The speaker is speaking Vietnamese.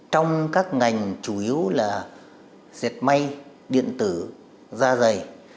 trong các ngành chủ yếu là diệt may điện tử da dày